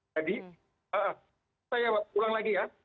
jadi saya ulang lagi ya